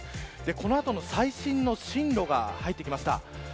この後の最新の進路が入ってきました。